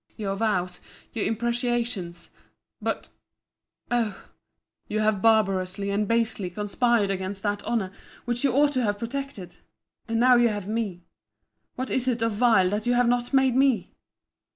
—Your vows, your imprecations—But, Oh! you have barbarously and basely conspired against that honour, which you ought to have protected: and now you have made me—What is it of vile that you have not made me?